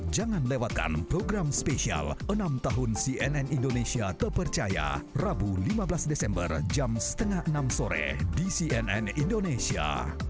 jangan lewatkan program spesial enam tahun cnn indonesia terpercaya rabu lima belas desember jam setengah enam sore di cnn indonesia